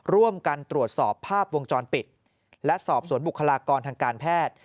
ร่วมกันตรวจสอบภาพวงจรปิดและสอบสวนบุคลากรทางการแพทย์